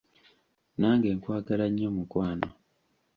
Nange nkwagala nnyo mukwano.